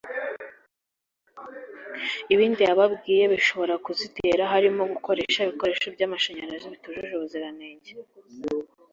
Ibindi yababwiye bishobora kuzitera harimo gukoresha ibikoresho by’amashanyarazi bitujuje ubuziranenge